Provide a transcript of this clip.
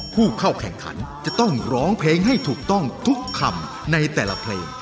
ผู้เข้าแข่งขันจะต้องร้องเพลงให้ถูกต้องทุกคำในแต่ละเพลง